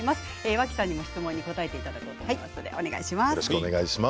脇さんにも質問に答えていただきます。